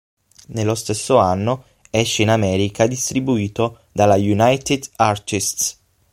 Nello stesso anno esce in America, distribuito dalla United Artists.